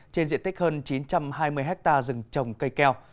trên diện tích hơn chín trăm hai mươi hectare rừng trồng cây keo